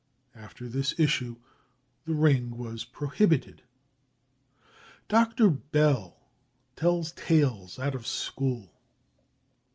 * After this issue, the Ring was prohibited. Dr. Bell tells tales out of school.